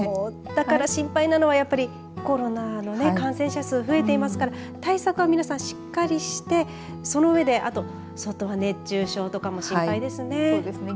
だから心配なのはやっぱりコロナの感染者数増えていますから対策は皆さんしっかりして、その上であと外は熱中症とかも心配ですね。